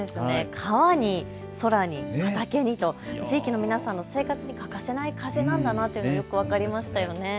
川に空に畑にと地域の皆さんに欠かせない風なんだなというのがよく分かりましたよね。